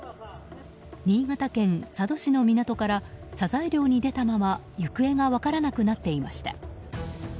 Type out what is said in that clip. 新潟県佐渡市の港からサザエ漁に出たまま行方が分からなくなっていました。